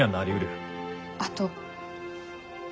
あと。